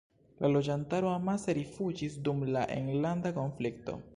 La loĝantaro amase rifuĝis dum la enlanda konflikto.